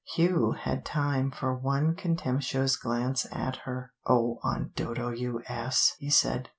Hugh had time for one contemptuous glance at her. "Oh, Aunt Dodo, you ass!" he said.